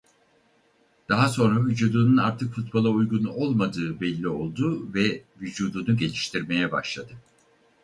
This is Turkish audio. Daha sonra vücudunun artık futbola uygun olmadığı belli oldu ve vücudunu geliştirmeye başladı.